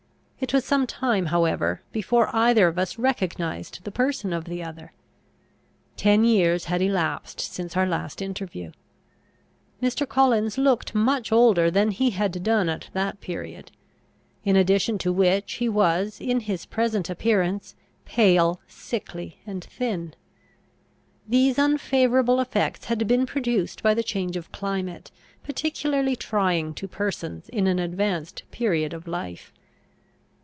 It was some time however, before either of us recognised the person of the other. Ten years had elapsed since our last interview. Mr. Collins looked much older than he had done at that period; in addition to which, he was, in his present appearance, pale, sickly, and thin. These unfavourable effects had been produced by the change of climate, particularly trying to persons in an advanced period of life.